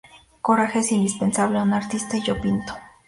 Coraje es indispensable a un artista y yo pinto!